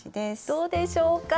どうでしょうか。